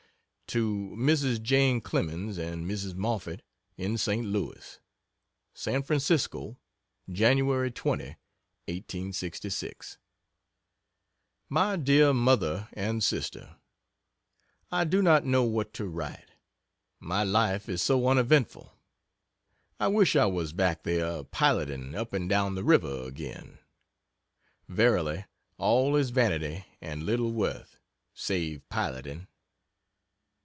To Mrs. Jane Clemens and Mrs. Moffett, in St. Louis: SAN FRANCISCO, Jan. 20, 1866. MY DEAR MOTHER AND SISTER, I do not know what to write; my life is so uneventful. I wish I was back there piloting up and down the river again. Verily, all is vanity and little worth save piloting.